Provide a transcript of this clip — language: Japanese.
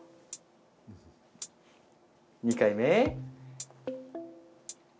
２回目。